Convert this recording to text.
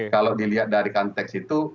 kalau dilihat dari konteks itu